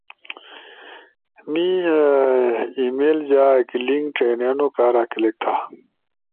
می ای میل جا ایک لنک ڇئینونو کارا کلک تھا،